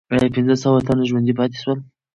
آیا پنځه سوه تنه ژوندي پاتې سول؟